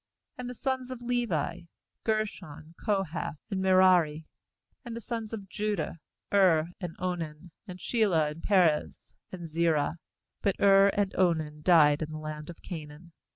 uAnd the sons of Levi: Gershon, Kohath, and Merari. ^And the sons of Judah: Er, and Onan, and Shelah, and Perez, and Zerah; but Er and Onan died in the land of Canaan.